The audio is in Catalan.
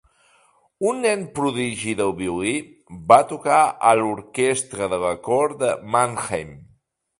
Un nen prodigi del violí, va tocar a l'orquestra de la cort de Mannheim.